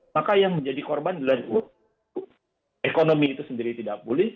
maka yang menjadi korban adalah ekonomi itu sendiri tidak pulih